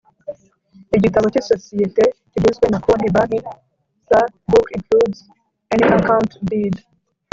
igitabo cy isosiyete kigizwe na konti company s book includes any account deed